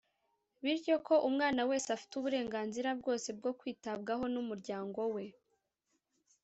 bityo ko umwana wese afite uburenganzira bwose bwo kwitabwaho n’umuryango we